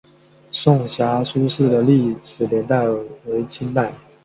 颂遐书室的历史年代为清代。